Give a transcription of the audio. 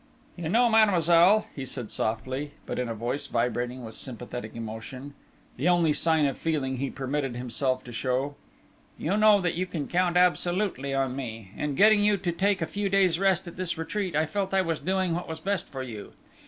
"You know, mademoiselle," he said softly, but in a voice vibrating with sympathetic emotion the only sign of feeling he permitted himself to show "you know that you can count absolutely on me. In getting you to take a few days' rest in this retreat, I felt I was doing what was best for you.